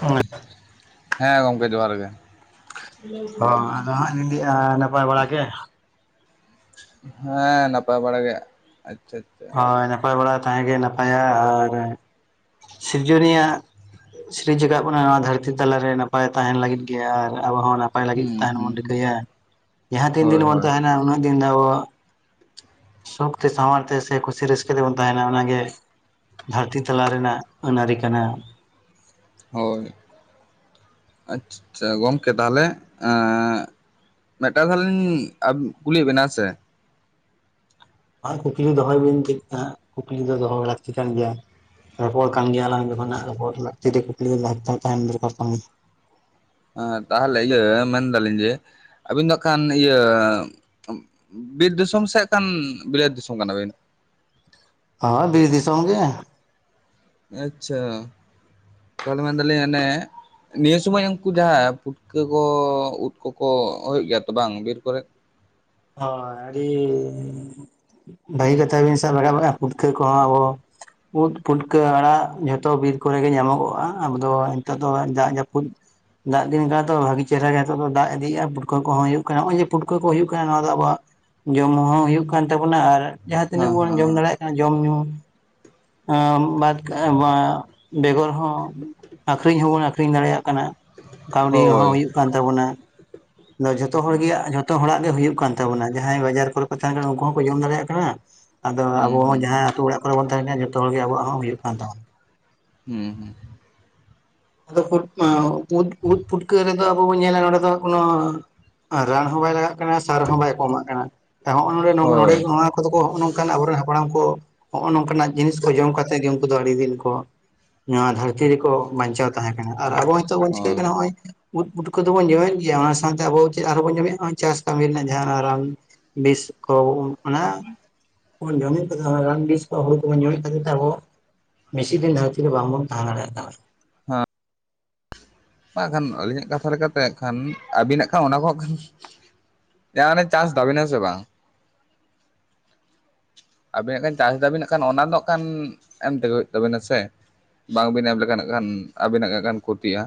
ᱦᱩᱸ᱾ ᱦᱮᱸ ᱜᱚᱢᱠᱮ ᱡᱚᱦᱟᱨ ᱜᱮ᱾ ᱦᱚᱸ ᱟᱫᱚ ᱦᱟᱸᱜ ᱞᱤᱧ ᱞᱟᱹᱭᱮᱫᱟ ᱱᱟᱯᱟᱭ ᱵᱟᱲᱟ ᱜᱮ? ᱦᱮᱸ ᱱᱟᱯᱟᱭ ᱵᱟᱲᱟ ᱜᱮ ᱟᱪᱪᱷᱟ᱾ ᱟᱪᱪᱷᱟ ᱦᱳᱭ ᱱᱟᱯᱟᱭ ᱵᱟᱲᱟ ᱛᱟᱦᱮᱸ ᱜᱮ ᱱᱟᱯᱟᱭᱟ ᱟᱨ ᱥᱤᱨᱡᱚᱱᱤᱭᱟᱹ ᱟᱜᱼᱼ ᱥᱤᱨᱤᱡᱽ ᱟᱠᱟᱫ ᱵᱚᱱᱟ ᱱᱚᱣᱟ ᱫᱷᱟᱹᱨᱛᱤ ᱛᱟᱞᱟᱨᱮ ᱱᱟᱯᱟᱭ ᱛᱟᱦᱮᱱ ᱞᱟᱹᱜᱤᱫ ᱜᱮ ᱟᱨ ᱟᱵᱚ ᱦᱚᱸ ᱚᱱᱟ᱾ ᱱᱟᱯᱟᱭ ᱞᱟᱹᱜᱤᱫ ᱦᱩᱸ ᱛᱟᱦᱮᱸᱱ ᱦᱩᱸ ᱵᱚᱱ ᱦᱩᱸ ᱨᱤᱠᱟᱹᱭᱟ ᱡᱟᱦᱟᱸ ᱛᱤᱱ ᱦᱳᱭ ᱫᱤᱱ ᱵᱚᱱ ᱦᱳᱭ ᱛᱟᱦᱮᱸᱱᱟ ᱩᱱᱟᱹᱜ ᱫᱤᱱ ᱫᱚ ᱟᱵᱚᱼᱼ ᱥᱚᱠᱛᱮ ᱥᱟᱶᱟᱨ ᱛᱮ ᱥᱮ ᱠᱩᱥᱤ ᱨᱟᱹᱥᱠᱟᱹ ᱛᱮᱵᱚᱱ ᱛᱟᱦᱮᱸᱱᱟ ᱚᱱᱟᱜᱮ ᱫᱷᱟᱨᱛᱤ ᱛᱟᱞᱟ ᱨᱮᱱᱟᱜ ᱟᱹᱱ ᱟᱹᱨᱤ ᱠᱟᱱᱟ ᱦᱳᱭ ᱟᱪᱷᱟ ᱜᱚᱢᱠᱮ ᱛᱟᱦᱞᱮ ᱢᱤᱫᱴᱟᱝ ᱛᱟᱦᱞᱮ ᱞᱤᱧ ᱠᱩᱞᱤᱭᱮᱫ ᱵᱮᱱᱟ ᱦᱮᱸ ᱥᱮ ᱟᱨ ᱠᱩᱠᱞᱤ ᱫᱚᱦᱚᱭ ᱵᱤᱱ ᱪᱮᱫ ᱦᱟᱸᱜ ᱠᱩᱠᱞᱤ ᱫᱚ ᱫᱚᱦᱚ ᱞᱟᱹᱠᱛᱤ ᱠᱟᱱ ᱜᱮᱭᱟ ᱨᱚᱯᱚᱲ ᱠᱟᱱ ᱜᱮᱭᱟᱞᱟᱝ ᱡᱚᱠᱷᱚᱱ ᱦᱟᱸᱜ ᱨᱚᱯᱚᱲ ᱞᱟᱠᱛᱤ ᱨᱮ ᱠᱩᱠᱞᱤ ᱫᱚ ᱫᱚᱨᱠᱟᱨ ᱠᱟᱱᱟ ᱦᱮᱸ ᱛᱟᱦᱚᱞᱮ ᱤᱭᱟᱹ ᱢᱮᱱᱫᱟᱹᱞᱤᱧ ᱡᱮ ᱟᱹᱵᱤᱱ ᱫᱚ ᱦᱟᱸᱜ ᱠᱷᱟᱱ ᱤᱭᱟᱹ ᱵᱤᱨ ᱫᱤᱥᱚᱢ ᱥᱮ ᱦᱟᱸᱜ ᱠᱷᱟᱱ ᱵᱤᱞᱟᱹᱛ ᱫᱤᱥᱚᱢ ᱠᱟᱱᱟ ᱵᱤᱱ? ᱦᱟᱸ ᱵᱤᱨ ᱫᱤᱥᱚᱢ ᱜᱮ ᱟᱪᱪᱷᱟ ᱛᱟᱦᱚᱞᱮ ᱢᱮᱱᱫᱟᱞᱤᱧ ᱚᱱᱮ ᱱᱤᱭᱟᱹ ᱥᱳᱢᱚᱭ ᱩᱱᱠᱩ ᱡᱟᱦᱟᱸ ᱯᱷᱩᱴᱠᱟᱹ ᱠᱚ ᱩᱫ ᱠᱚᱠᱚ ᱦᱩᱭᱩᱜ ᱜᱮᱭᱟ ᱛᱚ ᱵᱟᱝ ᱵᱤᱨ ᱠᱚᱨᱮᱫ ᱦᱳᱭ ᱟᱹᱰᱤ ᱵᱷᱟᱜᱤ ᱠᱟᱛᱷᱟ ᱵᱤᱱ ᱥᱟᱵ ᱨᱟᱠᱟᱵ ᱠᱟᱫᱟ ᱯᱩᱴᱠᱟᱹ ᱠᱚᱦᱚᱸ ᱟᱵᱚ ᱩᱫ ᱯᱷᱩᱴᱠᱟᱹ ᱟᱲᱟᱜ ᱡᱷᱚᱛᱚ ᱵᱤᱨ ᱠᱚᱨᱮ ᱜᱮ ᱧᱟᱢᱚᱜᱚᱜᱼᱟ ᱟᱵᱚ ᱫᱚ ᱱᱤᱛᱚᱜ ᱫᱚ ᱫᱟᱜ ᱡᱟᱹᱯᱩᱫ ᱫᱟᱜ ᱫᱤᱱ ᱠᱟᱱᱟ ᱛᱚ ᱵᱷᱟᱹᱜᱤ ᱪᱮᱦᱨᱟ ᱜᱮ ᱱᱤᱛᱚᱜ ᱫᱚ ᱫᱟᱜ ᱤᱫᱤᱭᱮᱜᱼᱟ ᱯᱩᱴᱠᱟᱹ ᱠᱚᱦᱚᱸ ᱦᱩᱭᱩᱜ ᱠᱟᱱᱟ ᱦᱚᱸᱜᱼᱚᱭ ᱡᱮ ᱯᱩᱴᱠᱟᱹ ᱠᱚ ᱦᱩᱭᱩᱜ ᱠᱟᱱ ᱱᱚᱣᱟ ᱫᱚ ᱟᱵᱚᱣᱟᱜ ᱡᱚᱢ ᱧᱩ ᱦᱚᱸ ᱦᱩᱭᱩᱜ ᱠᱟᱱ ᱛᱟᱵᱚᱱᱟ ᱟᱨ ᱡᱟᱦᱟᱸ ᱛᱤᱱᱟᱹᱜ ᱦᱮᱸ ᱵᱚᱱ ᱡᱚᱢ ᱦᱮᱸ ᱫᱟᱲᱮᱭᱟᱜ ᱠᱟᱱᱟ ᱡᱚᱢ ᱧᱩ ᱵᱟᱫ ᱵᱮᱜᱚᱨ ᱦᱚᱸ ᱟᱠᱷᱨᱤᱧ ᱦᱚᱸᱵᱚᱱ ᱟᱠᱷᱨᱤᱧ ᱫᱟᱲᱮᱭᱟᱜ ᱠᱟᱱᱟ ᱠᱟᱣᱰᱤ ᱦᱚᱸ ᱦᱳᱭ ᱦᱩᱭᱩᱜ ᱠᱟᱱ ᱛᱟᱵᱚᱱᱟ ᱟᱫᱚ ᱡᱷᱚᱛᱚ ᱦᱚᱲ ᱜᱮ ᱡᱚᱛᱚ ᱦᱚᱲᱟᱜ ᱜᱮ ᱦᱩᱭᱩᱜ ᱠᱟᱱ ᱛᱟᱵᱚᱱᱟ ᱡᱟᱦᱟᱸᱭ ᱵᱟᱡᱟᱨ ᱠᱚᱨᱮ ᱠᱚ ᱛᱟᱦᱮᱸᱱ ᱠᱟᱱᱟ ᱩᱱᱠᱩ ᱦᱚᱸᱠᱚ ᱡᱚᱢ ᱫᱟᱲᱮᱭᱟᱜ ᱠᱟᱱᱟ ᱟᱫᱚ ᱦᱩᱸ ᱟᱵᱚ ᱦᱚᱸ ᱦᱩᱸ ᱡᱟᱦᱟᱸᱭ ᱟᱛᱩ ᱚᱲᱟᱜ ᱠᱚᱨᱮ ᱵᱚᱱ ᱛᱟᱦᱮᱱ ᱠᱟᱱᱟ ᱡᱚᱛᱚ ᱦᱚᱲ ᱜᱮ ᱟᱵᱚᱣᱟᱜ ᱦᱚᱸ ᱦᱩᱭᱩᱜ ᱠᱟᱱ ᱛᱟᱵᱚᱱᱟ ᱦᱩᱸ ᱦᱩᱸ ᱟᱫᱚ ᱩᱫ ᱩᱫ ᱯᱷᱩᱴᱠᱟᱹ ᱨᱮᱫᱚ ᱟᱵᱚ ᱵᱚ ᱧᱮᱞᱟ ᱱᱚᱰᱮ ᱫᱚ ᱠᱳᱱᱳ ᱨᱟᱱ ᱦᱚᱸ ᱵᱟᱭ ᱞᱟᱜᱟᱜ ᱠᱟᱱᱟ ᱥᱟᱨ ᱦᱚᱸ ᱵᱟᱭ ᱠᱚ ᱮᱢᱟᱜ ᱠᱟᱱᱟ ᱦᱚᱸᱜᱼᱚᱭ ᱱᱚᱰᱮ ᱦᱳᱭ ᱱᱚᱣᱟ ᱠᱚᱫᱚ ᱠᱚ ᱦᱚᱸᱜᱼᱚ ᱱᱚᱝᱠᱟᱱ ᱟᱵᱚᱨᱮᱱ ᱦᱟᱯᱲᱟᱢ ᱠᱚ ᱦᱚᱸᱜᱼᱚ ᱱᱚᱝᱠᱟᱱᱟᱜ ᱡᱤᱱᱤᱥ ᱠᱚ ᱡᱚᱢ ᱠᱟᱛᱮ ᱜᱮ ᱩᱱᱠᱩ ᱫᱚ ᱟᱹᱰᱤ ᱫᱤᱱ ᱠᱚ ᱱᱚᱣᱟ ᱫᱷᱟᱹᱨᱛᱤ ᱨᱮᱠᱚ ᱵᱟᱧᱪᱟᱣ ᱛᱟᱦᱮᱸ ᱟᱨ ᱟᱵᱚ ᱦᱤᱛᱳᱜ ᱵᱚᱱ ᱪᱤᱠᱟᱹᱭᱮᱫ ᱦᱳᱭ ᱦᱚᱸᱜᱼᱚᱭ ᱩᱫ ᱯᱩᱴᱠᱟᱹ ᱫᱚᱵᱚᱱ ᱡᱚᱢᱮᱫ ᱜᱮᱭᱟ ᱚᱱᱟ ᱥᱟᱶᱛᱮ ᱟᱵᱚ ᱪᱮᱫ ᱟᱨᱦᱚᱸ ᱵᱚᱱ ᱡᱚᱢᱮᱫᱼᱟ ᱪᱟᱥ ᱠᱟᱹᱢᱤ ᱨᱮᱱᱟᱜ ᱡᱟᱦᱟᱸ ᱨᱟᱱ‌ ᱵᱤᱥ ᱠᱚ ᱚᱱᱟ ᱵᱩᱱ ᱡᱚᱢᱮᱫ ᱠᱚ ᱫᱚ ᱨᱟᱱ ᱵᱤᱥ ᱠᱚ ᱦᱩᱲᱩ ᱠᱚ ᱵᱩᱱ ᱡᱚᱢᱮᱫ ᱠᱷᱟᱛᱤᱨ ᱛᱮ ᱟᱵᱚ ᱢᱮᱥᱤ ᱫᱤᱱ ᱫᱷᱟᱨᱛᱤ ᱨᱮ ᱵᱟᱝᱵᱚᱱ ᱛᱟᱦᱮᱸ ᱫᱟᱲᱮᱭᱟᱜ ᱠᱟᱱᱟ ᱢᱟ ᱠᱷᱟᱱ ᱟᱹᱞᱤᱧᱟᱜ ᱠᱟᱛᱷᱟ ᱞᱮᱠᱟᱛᱮ ᱠᱷᱟᱱ ᱟᱹᱵᱤᱱᱟᱜ ᱠᱷᱟᱱ ᱚᱱᱟ ᱠᱚ ᱠᱷᱟᱱ ᱡᱟ ᱦᱟᱱᱮ ᱪᱟᱥ ᱫᱟᱵᱤᱱ ᱦᱮᱸ ᱥᱮ ᱵᱟᱝ? ᱟᱵᱮᱱᱟᱜ ᱠᱷᱟᱱ ᱪᱟᱥ ᱫᱟᱵᱤᱱ ᱠᱷᱟᱱ ᱚᱱᱟ ᱫᱚ ᱠᱷᱟᱱ ᱮᱢ ᱛᱮᱜᱮ ᱦᱩᱭᱩᱜ ᱛᱟᱵᱤᱱᱟ ᱥᱮ ᱵᱟᱝᱵᱤᱱ ᱮᱢ ᱞᱮᱠᱟ ᱱᱟᱜ ᱠᱷᱟᱱ ᱟᱵᱮᱱᱟᱜ ᱠᱷᱟᱱ ᱠᱷᱚᱛᱤᱼᱟ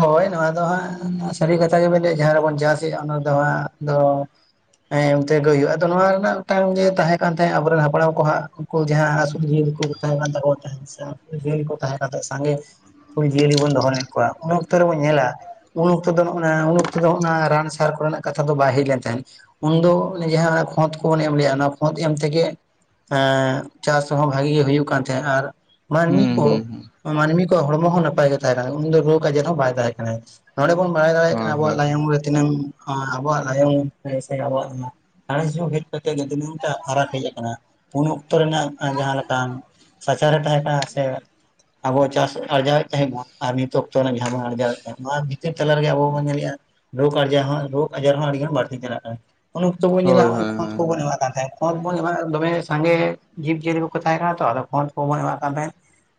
ᱦᱳᱭ ᱱᱚᱣᱟ ᱫᱚ ᱦᱟᱸᱜ ᱥᱟᱹᱨᱤ ᱠᱟᱛᱷᱟ ᱜᱮ ᱵᱮᱱ ᱞᱟᱹᱭᱼᱟ ᱡᱟᱦᱟᱸ ᱨᱮᱵᱚᱱ ᱪᱟᱥ ᱮᱼᱟ ᱚᱱᱟᱨᱮ ᱦᱟᱸᱜ ᱫᱚ ᱦᱮᱸ ᱚᱱᱛᱮᱜᱮ ᱦᱩᱭᱩᱜᱼᱟ ᱟᱫᱚ ᱱᱚᱣᱟ ᱨᱮᱱᱟᱜ ᱢᱤᱫᱴᱟᱝ ᱡᱮ ᱛᱟᱦᱮᱸ ᱠᱟᱱ ᱛᱟᱦᱮᱸᱫ ᱟᱵᱚᱨᱮᱱ ᱦᱟᱯᱲᱟᱢ ᱠᱚ ᱦᱟᱸᱜ ᱡᱟᱦᱟᱸ [unintelligible] ᱛᱟᱦᱮᱸ [unintelligible] ᱥᱟᱝᱜᱮ ᱡᱤᱭᱟᱹᱞᱤ ᱵᱚᱱ ᱫᱚᱦᱚ ᱞᱮᱫ ᱠᱚᱣᱟ ᱩᱱ ᱚᱠᱛᱚ ᱨᱮᱵᱚᱱ ᱧᱮᱞᱟ ᱩᱱ ᱚᱠᱛᱚ ᱫᱚ ᱱᱚᱜ-ᱱᱟ ᱩᱱ ᱚᱠᱛᱚ ᱫᱚ ᱱᱚᱜ-ᱱᱟ ᱨᱟᱱ ᱥᱟᱨ ᱠᱚᱨᱮᱱᱟᱜ ᱠᱟᱛᱷᱟ ᱫᱚ ᱵᱟᱭ ᱦᱮᱡ ᱞᱮᱱ ᱛᱟᱦᱮᱸᱫ ᱩᱱᱫᱚ ᱡᱟᱦᱟᱸ ᱠᱷᱚᱸᱫ ᱠᱚᱵᱚᱱ ᱮᱢ ᱞᱮᱜ-ᱟ ᱚᱱᱟ ᱠᱷᱚᱸᱫ ᱮᱢ ᱛᱮᱜᱮ ᱮᱸ ᱪᱟᱥ ᱦᱚᱸ ᱵᱷᱟᱜᱤ ᱜᱮ ᱦᱩᱭᱩᱜ ᱠᱟᱱ ᱛᱟᱦᱮᱸᱜ ᱟᱨ ᱢᱟᱱᱢᱤ ᱦᱩᱸ ᱦᱩᱸ ᱠᱚ ᱦᱩᱸ ᱢᱟᱱᱢᱤ ᱠᱚᱣᱟᱜ ᱦᱚᱲᱢᱚ ᱦᱚᱸ ᱱᱟᱯᱟᱭ ᱜᱮ ᱛᱟᱦᱮᱸ ᱠᱟᱱᱟ ᱩᱱᱤ ᱫᱚ ᱨᱳᱜ ᱟᱡᱟᱨ ᱦᱚᱸ ᱵᱟᱭ ᱛᱟᱦᱮᱸ ᱠᱟᱱᱟᱭ ᱱᱚᱰᱮ ᱵᱚᱱ ᱵᱟᱲᱟᱭ ᱫᱟᱲᱮᱭᱟᱜ ᱠᱟᱱᱟ ᱦᱳᱭ ᱟᱵᱚᱣᱟᱜ ᱦᱳᱭ ᱞᱟᱭᱚᱝ ᱨᱮ ᱛᱤᱱᱟᱹᱝ ᱟᱵᱚᱣᱟᱜ ᱞᱟᱭᱚᱝ ᱨᱮ ᱥᱮ ᱟᱵᱚᱣᱟᱜ ᱥᱟᱬᱮᱥ ᱧᱚᱜ ᱜᱮᱫ ᱠᱟᱛᱮᱫ ᱜᱮ ᱫᱤᱱᱟᱹᱝᱴᱟᱜ ᱯᱷᱟᱨᱟᱠ ᱦᱮᱡ ᱟᱠᱟᱱᱟ ᱩᱱ ᱚᱠᱛᱚ ᱨᱮᱱᱟᱜ ᱡᱟᱦᱟᱸ ᱞᱮᱠᱟᱱ ᱥᱟᱪᱟᱨᱮ ᱛᱟᱦᱮᱸ ᱠᱟᱱᱟ ᱥᱮ ᱟᱵᱚ ᱪᱟᱥ ᱟᱨᱡᱟᱣᱮᱫ ᱛᱟᱦᱮᱸ ᱵᱚᱱ ᱟᱨ ᱱᱤᱛᱚᱜ ᱛᱚ ᱚᱱᱟ ᱡᱟᱦᱟᱸ ᱵᱚᱱ ᱟᱨᱡᱟᱣᱮ-ᱟ ᱱᱚᱣᱟ ᱵᱷᱤᱛᱟᱹᱨ ᱛᱟᱞᱟ ᱨᱮᱜᱮ ᱟᱵᱚ ᱵᱚᱱ ᱧᱮᱞᱮᱜᱼᱟ ᱨᱳᱜᱽ ᱟᱡᱟ ᱦᱚᱸ ᱨᱳᱜᱽ ᱟᱡᱟᱨ ᱦᱚᱸ ᱟᱹᱰᱤᱜᱟᱱ ᱵᱟᱹᱲᱛᱤ ᱪᱟᱞᱟᱜ ᱠᱟᱱᱟ᱾ ᱩᱱ ᱚᱠᱛᱚ ᱵᱚᱱ ᱧᱮᱞᱟ ᱦᱳᱭ ᱱᱚ-ᱚᱭ ᱦᱳᱭ ᱠᱷᱩᱸᱛ ᱠᱚᱵᱚ ᱦᱳᱭ ᱧᱮᱞᱟᱜ ᱠᱟᱱ ᱛᱟᱦᱮᱸᱫ ᱠᱷᱩᱸᱛ ᱮᱢᱟᱜ ᱫᱚᱢᱮ ᱥᱟᱸᱜᱮ ᱡᱤᱵᱽᱡᱤᱭᱟᱹᱞᱤ ᱠᱚ ᱠᱚ ᱛᱟᱦᱮᱸ ᱠᱟᱱᱟ ᱛᱚ ᱟᱫᱚ, ᱠᱷᱳᱸᱫ ᱠᱚᱵᱚᱱ ᱮᱢᱟᱜ ᱠᱟᱱ ᱛᱟᱦᱮᱸᱫ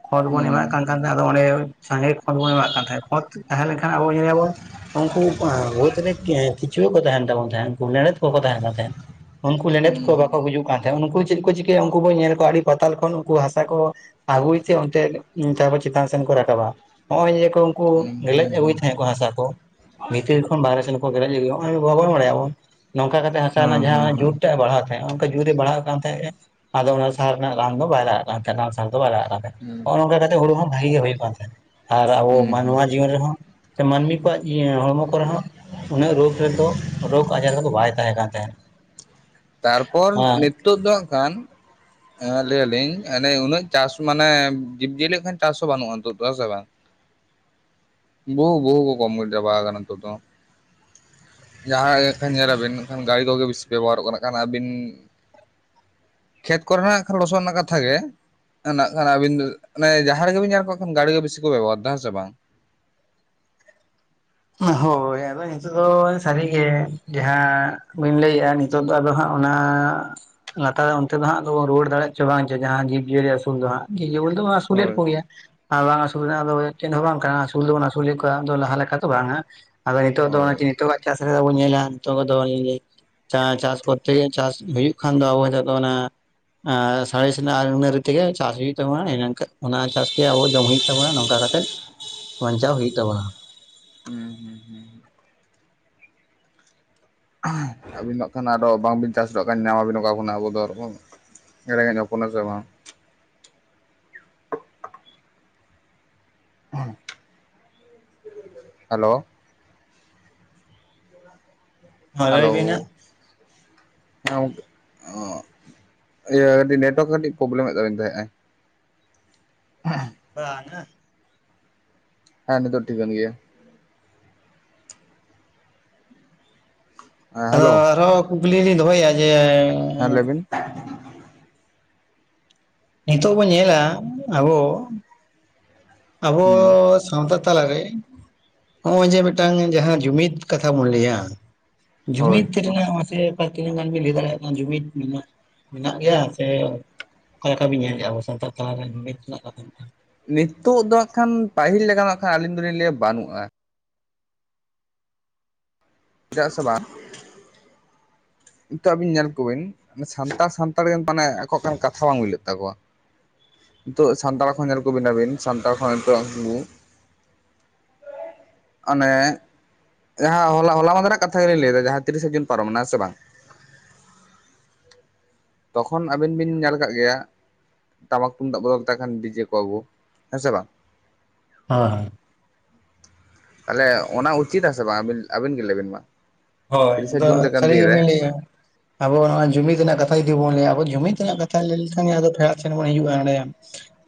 ᱠᱷᱳᱸᱛ ᱵᱚᱱ ᱦᱩᱸ ᱮᱢᱟᱜ ᱠᱟᱱ ᱠᱟᱱ ᱛᱟᱦᱮᱸᱫ ᱟᱫᱚ ᱚᱸᱰᱮ ᱥᱟᱸᱜᱮ, ᱵᱚᱱ ᱮᱢᱟᱜ ᱠᱟᱱ ᱛᱟᱦᱮᱸ ᱠᱷᱳᱸᱛ ᱛᱟᱦᱮᱸ ᱞᱮᱱᱠᱷᱟᱱ ᱟᱵᱚ ᱧᱮᱞᱟ ᱵᱚᱱ, ᱩᱱᱠᱩ ᱳᱛ ᱨᱮ ᱠᱤᱪᱩᱣᱟᱹ ᱠᱚ ᱛᱟᱦᱮᱱ ᱛᱟᱵᱟᱱ ᱛᱟᱦᱮᱫ ᱩᱱᱠᱩ ᱞᱮᱲᱮᱫ ᱠᱚ ᱠᱚ ᱛᱟᱦᱮᱱ ᱠᱟᱱ ᱛᱟᱦᱮ, ᱩᱱᱠᱩ ᱞᱮᱸᱰᱮᱛ ᱦᱩᱸ ᱠᱚ ᱵᱟᱠᱚ ᱜᱩᱡᱩᱜ ᱠᱟᱱ ᱛᱟᱦᱮᱸᱫ ᱩᱱᱠᱩ ᱪᱮᱫ ᱠᱚ ᱪᱤᱠᱟᱹᱭᱟ ᱩᱱᱠᱩ ᱵᱚᱱ ᱧᱮᱞ ᱠᱚᱣᱟ ᱟᱹᱰᱤ ᱯᱟᱛᱟᱞ ᱠᱷᱚᱱ ᱩᱱᱠᱩ ᱦᱟᱥᱟ ᱠᱚ ᱟᱜᱩᱭ ᱛᱮ ᱚᱱᱛᱮ ᱛᱟᱨᱯᱚᱨ ᱪᱤᱛᱟᱱ ᱥᱮᱱ ᱠᱚ ᱨᱟᱠᱟᱵᱟ, ᱱᱚᱜᱼᱚᱭ ᱡᱮ ᱠᱚ ᱩᱱᱠᱩ ᱦᱩᱸ ᱦᱩᱸ ᱜᱮᱞᱮᱡ ᱦᱩᱸ ᱟᱹᱜᱩᱭ ᱦᱩᱸ ᱛᱟᱦᱮᱸᱫ ᱠᱚ ᱦᱟᱥᱟ ᱠᱚ, ᱵᱷᱤᱛᱤᱨ ᱠᱷᱚᱱ ᱵᱟᱦᱨᱮ ᱥᱮᱱ ᱠᱚ ᱜᱮᱞᱮᱡ ᱦᱚᱜ-ᱚᱭ ᱵᱟᱵ ᱵᱟᱰᱟᱭᱟ ᱟᱵᱚ, ᱱᱚᱝᱠᱟ ᱦᱟᱥᱟ ᱨᱮᱱᱟᱜ ᱦᱩᱸ ᱦᱩᱸ ᱡᱟᱦᱟᱸ ᱦᱩᱸ ᱡᱩᱨ ᱴᱟᱜ ᱵᱟᱲᱦᱟᱣ ᱛᱟᱦᱮᱸᱜ, ᱚᱱᱠᱟ ᱡᱩᱨ ᱮ ᱵᱟᱲᱦᱟᱜ ᱠᱟᱱ ᱛᱟᱦᱮᱸᱜᱼᱮ, ᱟᱫᱚ ᱚᱱᱟ ᱥᱟᱨ ᱨᱮᱱᱟᱜ ᱨᱟᱱ ᱫᱚ ᱵᱟᱭ ᱞᱟᱜᱟᱜ ᱠᱟᱱ ᱛᱟᱦᱮᱸᱱᱟ, ᱥᱟᱨ ᱫᱚ ᱵᱟᱭ ᱞᱟᱜᱟᱜ ᱠᱟᱱ ᱛᱟᱦᱮᱸᱱᱟ ᱾ ᱱᱚᱜᱼᱚ ᱱᱚᱝᱠᱟ ᱠᱟᱛᱮ ᱦᱳᱲᱳ ᱦᱚᱸ ᱵᱷᱟᱜᱮ ᱜᱮ ᱦᱳᱭᱳᱜ ᱠᱟᱱ ᱛᱟᱦᱮᱸᱫ, ᱟᱨ ᱟᱵᱚ ᱦᱩᱸ ᱢᱟᱱᱣᱟ ᱡᱤᱭᱚᱱ ᱨᱮ ᱦᱚᱸ ᱥᱮ ᱢᱟᱹᱱᱢᱤ ᱠᱚᱣᱟᱜ ᱦᱚᱲᱢᱚ ᱠᱚᱨᱮ ᱦᱚᱸ, ᱩᱱᱟᱹᱜ ᱨᱳᱜᱽ ᱨᱮᱫᱚ ᱨᱳᱜᱽ ᱟᱡᱟᱨ ᱨᱮ ᱫᱚ ᱵᱟᱭ ᱛᱟᱦᱮᱸ ᱠᱟᱱ ᱛᱟᱦᱮᱸᱫ, ᱛᱟᱨ ᱯᱚᱨ ᱦᱮᱸ ᱱᱤᱛᱳᱜ ᱫᱚ ᱦᱟᱸᱜ ᱠᱷᱟᱱ, ᱦᱮᱸ ᱞᱟᱹᱭᱟᱞᱤᱧ ᱮᱱᱮ ᱩᱱᱟᱹᱜ ᱪᱟᱥ ᱢᱟᱱᱮ ᱡᱤᱵᱽᱡᱤᱭᱟᱹᱞᱤ ᱠᱷᱟᱱ ᱪᱟᱥ ᱦᱚᱸ ᱵᱟᱹᱱᱩᱜᱼᱟ ᱱᱤᱛᱳᱜ ᱫᱚ ᱥᱮ ᱵᱟᱝ? ᱵᱩ ᱵᱩ ᱵᱩᱦᱩ ᱠᱚ ᱠᱚᱢ ᱪᱟᱵᱟ ᱠᱟᱱᱟ ᱱᱤᱛᱳᱜ ᱫᱚ, ᱡᱟᱦᱟᱸ ᱜᱮ ᱠᱷᱟᱱ ᱧᱮᱞ ᱟᱵᱤᱱ ᱮᱱᱠᱷᱟᱱ ᱜᱟᱹᱲᱤ ᱠᱚ ᱜᱮ ᱵᱤᱥᱤ ᱵᱮᱵᱚᱦᱟᱨᱚᱜ ᱠᱟᱱᱟ, ᱠᱷᱟᱱ ᱟᱹᱵᱤᱱ ᱠᱷᱮᱛ ᱠᱚᱨᱮᱱᱟᱜ ᱟᱠᱷᱟᱱ ᱞᱚᱥᱚᱫ ᱨᱮᱱᱟᱜ ᱠᱟᱛᱷᱟ ᱜᱮ, ᱱᱟᱜ ᱠᱷᱟᱱ ᱟᱵᱤᱱ ᱫᱚ ᱚᱱᱮ ᱡᱟᱦᱟᱸ ᱨᱮᱜᱵᱤᱱ ᱧᱮᱞ ᱠᱚ ᱠᱷᱟᱱ ᱜᱟᱹᱲᱤ ᱜᱮ ᱵᱮᱥᱤ ᱠᱚ ᱵᱮᱵᱚᱦᱟᱨ ᱫᱟ ᱦᱮᱸ ᱥᱮ ᱵᱟᱝ? ᱦᱳᱭ, ᱟᱫᱚ ᱱᱤᱛᱳᱜ ᱫᱚ ᱥᱟᱹᱨᱤ ᱜᱮ ᱡᱟᱦᱟᱸ ᱵᱟᱹᱧ ᱞᱟᱹᱭᱮᱼᱟ, ᱱᱤᱛᱳᱜ ᱫᱚ ᱟᱫᱚ ᱦᱟᱸᱜ ᱚᱱᱟ ᱞᱟᱛᱟᱨ ᱚᱱᱛᱮ ᱫᱚ ᱦᱟᱸᱜ ᱨᱩᱣᱟᱹᱲ ᱫᱟᱲᱮᱜ ᱪᱚ ᱵᱟᱝ ᱪᱚ ᱡᱟᱦᱟᱸ ᱡᱤᱵᱽᱡᱤᱭᱟᱹᱞᱤ ᱟᱹᱥᱩᱞ ᱫᱚ ᱦᱟᱸᱜ [inaudible] ᱥᱩᱞᱮᱫ ᱦᱳᱭ ᱠᱚᱜᱮᱭᱟ ᱟᱨ ᱵᱟᱝ ᱟᱹᱥᱩᱞ ᱨᱮᱱᱟᱜ ᱫᱚ ᱪᱮᱫ ᱦᱚᱸ ᱵᱟᱝ ᱠᱟᱱᱟ ᱟᱹᱥᱩᱞ ᱫᱚᱵᱚᱱ ᱟᱹᱥᱩᱞᱮᱫ ᱠᱚᱣᱟ ᱟᱫᱚ ᱞᱟᱦᱟ ᱞᱮᱠᱟ, ᱵᱟᱝᱟ ᱟᱫᱚ ᱱᱤᱛᱳᱜ ᱫᱚ ᱦᱳᱭ ᱱᱤᱛᱚᱜᱟᱜ ᱪᱟᱥ ᱨᱮ ᱧᱮᱞᱟ [inaudible] ᱪᱟ ᱪᱟᱥ ᱠᱚᱨᱛᱮ ᱜᱮ ᱪᱟᱥ ᱦᱩᱭᱩᱜ ᱠᱷᱟᱱ ᱫᱚ ᱟᱵᱚ ᱱᱤᱛᱚᱜ ᱫᱚ ᱚᱱᱟ, ᱥᱟᱬᱮᱥ ᱨᱮᱱᱟᱜ ᱟᱹᱩᱱᱟᱹᱨᱤ ᱛᱮᱜᱮ ᱪᱟᱥ ᱦᱩᱭᱩᱜ ᱛᱟᱵᱚᱱᱟ ᱚᱱᱟ ᱪᱟᱥ ᱜᱮ ᱟᱵᱚ ᱡᱚᱢ ᱦᱩᱭᱩᱜ ᱛᱟᱵᱚᱱᱟ ᱱᱚᱝᱠᱟ ᱠᱟᱛᱮᱫ ᱵᱟᱧᱪᱟᱣ ᱦᱩᱭᱩᱜ ᱛᱟᱵᱚᱱᱟ ᱾ ᱦᱩᱸ ᱦᱩᱸ ᱦᱩᱸ, ᱟᱹᱵᱤᱱ ᱫᱚᱜ ᱠᱷᱟᱱ ᱟᱫᱚ ᱵᱟᱝᱵᱤᱱ ᱪᱟᱥᱚᱜ ᱠᱷᱟᱱ ᱧᱟᱢᱟᱵᱤᱱ ᱚᱠᱟ ᱠᱷᱚᱱᱟᱜ ᱟᱵᱚ ᱫᱚ [inaudible] ᱮᱲᱮ ᱧᱚᱜ ᱦᱚᱯᱚᱱᱟ ᱥᱮ ᱵᱟᱝ? [unintelligible] ᱦᱮᱞᱳ, ᱢᱟ ᱞᱟᱹᱭ ᱦᱮᱞᱳᱻ ᱵᱤᱱ ᱦᱟᱸᱜ [inaudible] ᱤᱭᱟᱹ ᱱᱮᱴᱣᱟᱨᱠ ᱠᱟᱹᱴᱤᱡ ᱯᱨᱚᱵᱞᱮᱢᱮᱫ ᱛᱟᱵᱤᱧ ᱛᱟᱦᱮᱸᱜ ᱟᱭ ᱾ [unintelligible] ᱵᱟᱝᱼᱟ, ᱦᱮᱸ, ᱱᱤᱛᱳᱜ ᱴᱷᱤᱠᱟᱹᱱ ᱜᱮᱭᱟ ᱾ ᱦᱮᱸ ᱟᱫᱚ ᱦᱮᱞᱳ ᱟᱨ ᱦᱚᱸ ᱠᱩᱠᱞᱤ ᱞᱤᱧ ᱫᱚᱦᱚᱭᱟ ᱡᱮ, ᱦᱮᱸ ᱞᱮᱵᱤᱱ? ᱱᱤᱛᱳᱜ ᱵᱚᱱ ᱧᱮᱞᱟ ᱟᱵᱚ ᱦᱩᱸ ᱟᱵᱚ-ᱥ ᱥᱟᱣᱛᱟ ᱛᱟᱞᱟ ᱨᱮ ᱱᱚᱜᱼᱚᱭ ᱡᱮ ᱢᱤᱫᱴᱟᱝ ᱡᱟᱦᱟᱸ ᱡᱩᱢᱤᱫ ᱠᱟᱛᱷᱟ ᱵᱚᱱ ᱞᱟᱹᱭᱟ, ᱦᱳᱭ ᱡᱩᱢᱤᱫ ᱨᱮᱱᱟᱜ ᱢᱟᱥᱮ ᱚᱠᱟ ᱛᱤᱱᱟᱹᱜ ᱜᱟᱱ ᱵᱤᱱ ᱞᱟᱹᱭ ᱫᱟᱲᱮᱭᱟᱜ ᱠᱟᱱᱟ ᱡᱩᱢᱤᱫ ᱢᱮᱱᱟᱜ ᱢᱮᱱᱟᱜ ᱜᱮᱭᱟ ᱥᱮ? ᱚᱠᱟ ᱞᱮᱠᱟ ᱵᱤᱱ ᱧᱮᱞᱮᱫᱼᱟ ᱟᱵᱚ ᱥᱟᱱᱛᱟᱲ ᱛᱟᱞᱟ ᱨᱮ ᱡᱩᱢᱤᱫ ᱨᱮᱱᱟᱜ ᱠᱟᱛᱷᱟ ᱢᱤᱫ ᱴᱟᱝ? ᱱᱤᱛᱳᱜ ᱫᱚ ᱦᱟᱸᱜ ᱠᱷᱟᱱ ᱯᱟᱹᱦᱤᱞ ᱞᱮᱠᱟ ᱱᱟᱜ ᱠᱷᱟᱱ ᱟᱹᱞᱤᱧ ᱫᱚᱞᱤᱧ ᱞᱟᱹᱭᱟ ᱵᱟᱹᱱᱩᱜ-ᱟ᱾ ᱪᱮᱫᱟᱜ ᱥᱮ ᱵᱟᱝ? ᱱᱤᱛᱚᱜ ᱟᱵᱤᱱ ᱧᱮᱞ ᱠᱚᱵᱤᱱ ᱥᱟᱱᱛᱟᱲ ᱥᱟᱱᱛᱟᱲ ᱜᱮ ᱢᱟᱱᱮ ᱟᱠᱚ ᱠᱚᱨᱮᱱ ᱠᱟᱛᱷᱟ ᱵᱟᱝ ᱢᱤᱞᱟ. ᱜ ᱛᱟᱠᱚᱣᱟ᱾ ᱱᱤᱛᱚᱜ ᱥᱟᱱᱛᱟᱲ ᱠᱷᱚᱱ ᱧᱮᱞ ᱠᱚᱵᱤᱱ ᱟᱵᱤᱱ ᱥᱟᱱᱛᱟᱲ ᱠᱷᱚᱱ ᱱᱤᱛᱚᱜ ᱩᱱ ᱚᱱᱮ ᱡᱟᱦᱟᱸ ᱦᱚᱞᱟ ᱦᱚᱞᱟ ᱢᱟᱫᱷᱮᱨ ᱨᱮᱱᱟᱜ ᱠᱟᱛᱷᱟ ᱜᱮᱞᱤᱧ ᱞᱟᱹᱭᱟ ᱮᱫᱟ ᱡᱟᱦᱟᱸ ᱛᱤᱨᱤᱥᱟ ᱡᱩᱱ ᱯᱟᱨᱚᱢᱮᱱᱟ ᱥᱮ ᱵᱟᱝ᱾ ᱛᱚᱠᱷᱚᱱ ᱟᱵᱤᱱ ᱵᱤᱱ ᱧᱮᱞ ᱠᱟᱜ ᱜᱮᱭᱟ? ᱴᱟᱢᱟᱠ ᱛᱩᱢᱫᱟᱜ ᱠᱚᱫᱚ ᱢᱮᱛᱟ ᱠᱷᱟᱱ ᱰᱤᱡᱮ ᱠᱚ ᱟᱜᱩ ᱦᱮᱸ ᱥᱮ ᱵᱟᱝ᱾ ᱦᱮᱸ᱾ ᱛᱟᱦᱚᱞᱮ ᱚᱱᱟ ᱩᱪᱤᱛᱟ ᱥᱮ ᱵᱟᱝ ᱟᱹᱵᱤᱱ ᱟᱹᱵᱤᱱ ᱜᱮ ᱞᱟᱹᱭᱵᱤᱱ ᱢᱟ᱾ ᱦᱳᱭ ᱛᱤᱨᱤᱥᱟ ᱟᱫᱚ ᱡᱩᱱ ᱞᱮᱠᱟᱱ ᱥᱟᱹᱨᱤ ᱫᱤᱱ ᱨᱮ ᱜᱮᱵᱤᱱ ᱞᱟᱹᱭ-ᱟ᱾ ᱟᱵᱚ ᱱᱚᱜᱚᱭ ᱡᱩᱢᱤᱫ ᱨᱮᱱᱟᱜ ᱠᱟᱛᱷᱟ ᱡᱩᱫᱤ ᱵᱚᱱ ᱞᱟᱹᱭᱟ ᱟᱵᱚ ᱡᱩᱢᱤᱫ ᱨᱮᱱᱟᱜ ᱠᱟᱛᱷᱟ ᱞᱟᱹᱭ ᱞᱮᱠᱷᱟᱱ ᱜᱮ ᱟᱫᱚ ᱴᱷᱚᱭᱟᱜ ᱥᱮᱱ ᱵᱚᱱ ᱦᱤᱡᱩᱜ-ᱟ ᱮᱸᱰᱮ